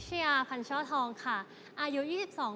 เพราะว่ารายการหาคู่ของเราเป็นรายการแรกนะครับ